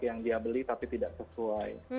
yang dia beli tapi tidak sesuai